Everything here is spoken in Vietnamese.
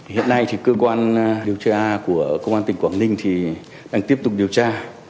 hiện nay thì cơ quan điều tra của công an tỉnh quảng ninh thì đang tiếp tục điều tra